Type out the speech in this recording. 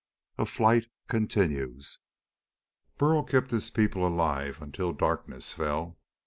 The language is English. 8. A FLIGHT CONTINUES Burl kept his people alive until darkness fell.